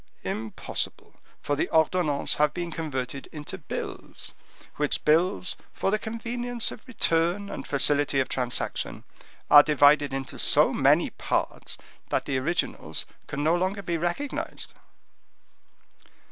"Impossible, for the ordonnances have been converted into bills, which bills, for the convenience of return and facility of transaction, are divided into so many parts that the originals can no longer be recognized."